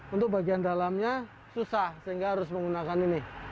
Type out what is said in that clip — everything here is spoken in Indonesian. untuk bagian dalamnya susah sehingga harus menggunakan ini